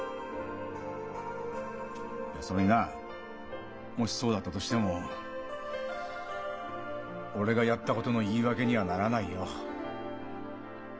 いやそれになもしそうだったとしても俺がやったことの言い訳にはならないよ。